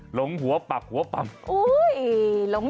หลงหัวปักหัวป่ำ